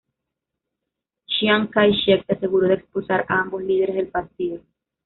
Chiang Kai-shek se aseguró de expulsar a ambos líderes del partido.